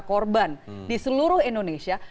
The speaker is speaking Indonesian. korban di seluruh indonesia